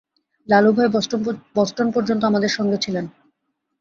Lalubhai Boston পর্যন্ত আমার সঙ্গে ছিলেন।